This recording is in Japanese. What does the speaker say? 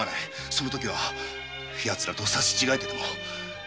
その時はヤツらと刺し違えてでも。